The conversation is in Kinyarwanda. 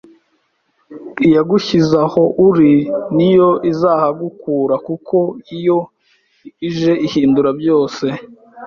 iyagushyize aho uri ni yo izahagukura kuko iyo ije ihindura byose.